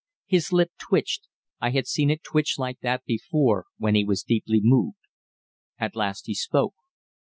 His lip twitched I had seen it twitch like that before, when he was deeply moved. At last he spoke.